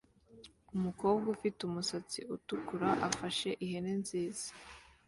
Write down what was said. Umukobwa ufite umusatsi utukura afashe ihene nziza